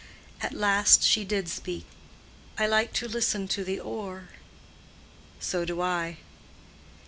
At last she did speak. "I like to listen to the oar." "So do I."